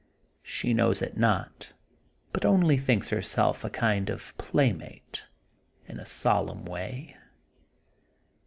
She knows it not but only thinks her self a kind of playmate in a solemn way.